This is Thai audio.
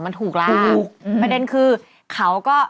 มันถูกแล้วถูกประเด็นคือเขาก็